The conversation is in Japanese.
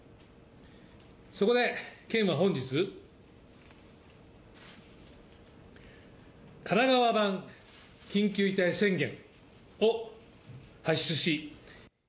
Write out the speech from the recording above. そこで県は本日、神奈川版緊急事態宣言を発出し。